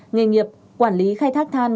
nghề nghiệp quản lý khai thác than